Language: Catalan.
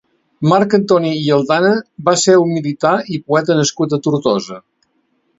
Marc Antoni Aldana va ser un militar i poeta nascut a Tortosa.